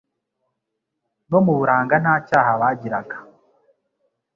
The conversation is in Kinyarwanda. no mu buranga. Nta cyaha bagiraga